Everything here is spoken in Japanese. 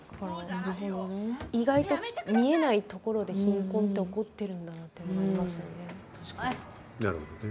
意外と見えないところで貧困は起こっているんだなということがありますね。